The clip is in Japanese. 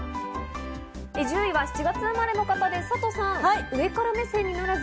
１０位は７月生まれの方です、サトさん。